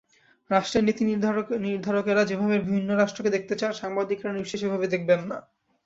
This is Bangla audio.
রাষ্ট্রের নীতিনির্ধারকেরা যেভাবে ভিন্ন রাষ্ট্রকে দেখতে চান, সাংবাদিকেরা নিশ্চয়ই সেভাবে দেখবেন না।